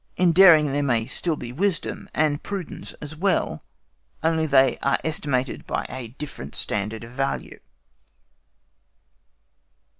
In daring there may still be wisdom, and prudence as well, only they are estimated by a different standard of value.